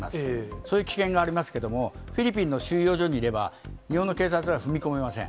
そういう危険がありますけども、フィリピンの収容所にいれば、日本の警察は踏み込めません。